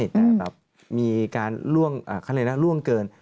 แต่แบบมีการล่วงเขาเรียกล่วงเกิน